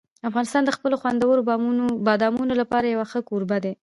افغانستان د خپلو خوندورو بادامو لپاره یو ښه کوربه دی.